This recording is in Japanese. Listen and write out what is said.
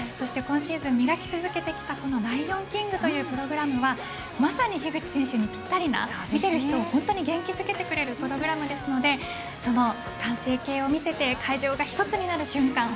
今シーズンに磨き続けてきたこのライオンキングというプログラムはまさに樋口選手にぴったりな見ている人も元気づけるプログラムですのでその完成形を見せて会場が一つになる瞬間